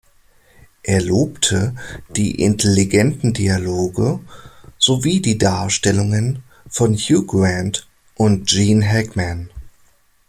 Er lobte die "intelligenten" Dialoge sowie die Darstellungen von Hugh Grant und Gene Hackman.